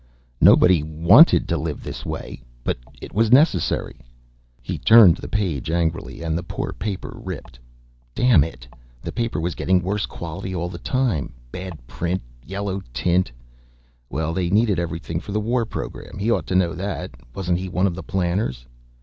Nobody wanted to live this way, but it was necessary. He turned the page angrily and the poor paper ripped. Damn it, the paper was getting worse quality all the time, bad print, yellow tint Well, they needed everything for the war program. He ought to know that. Wasn't he one of the planners?